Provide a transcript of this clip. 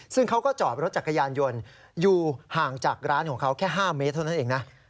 ซึ่งเขาก็จอดรถจักรยานยนต์อยู่ห่างจากร้านของเขาแค่๕เมตรเท่านั้นเองนะ